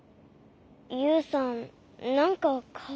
ユウさんなんかかわいそう。